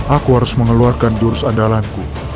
aku harus mengeluarkan jurus andalanku